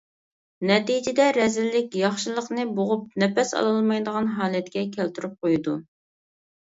نەتىجىدە رەزىللىك ياخشىلىقنى بوغۇپ نەپەس ئالالمايدىغان ھالەتكە كەلتۈرۈپ قويىدۇ.